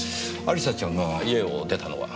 亜里沙ちゃんが家を出たのは？